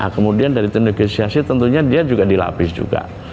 kemudian dari tim negosiasi tentunya dia juga dilapis juga